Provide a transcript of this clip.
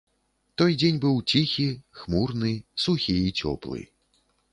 Той дзень быў ціхі, хмурны, сухі і цёплы.